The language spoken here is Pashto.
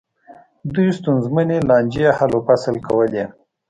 دوی ستونزمنې لانجې حل و فصل کولې.